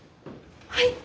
はい。